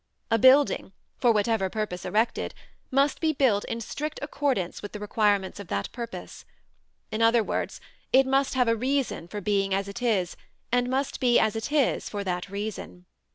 A building, for whatever purpose erected, must be built in strict accordance with the requirements of that purpose; in other words, it must have a reason for being as it is and must be as it is for that reason.